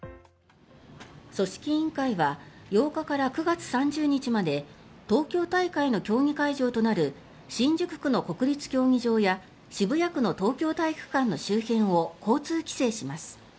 組織委員会は８日から９月３０日まで東京大会の競技会場となる新宿区の国立競技場や渋谷区の東京体育館の周辺を交通規制します。